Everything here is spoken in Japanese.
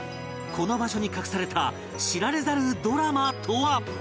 この場所に隠された知られざるドラマとは？